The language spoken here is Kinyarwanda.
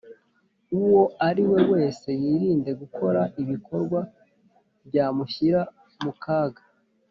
uwo ari we wese yirinde gukora ibikorwa byamushyira mu kaga